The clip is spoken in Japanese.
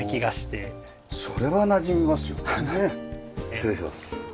失礼します。